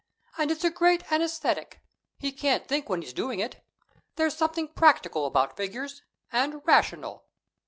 "And it's a great anaesthetic. He can't think when he's doing it. There's something practical about figures, and rational."